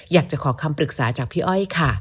อยากจะขอคำปรึกษาจากพี่อ้อยค่ะ